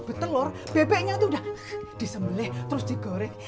betelor bebeknya itu udah disembelih terus digoreng